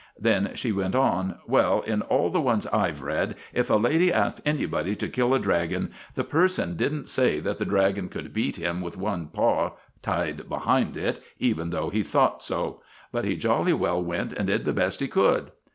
Then she went on, 'Well, in all the ones I've read, if a lady asked anybody to kill a dragon, the person didn't say that the dragon could beat him with one paw tied behind it, even though he thought so; but he jolly well went and did the best he could.